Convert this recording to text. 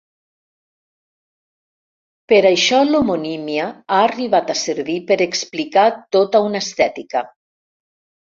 Per això l'homonímia ha arribat a servir per explicar tota una estètica.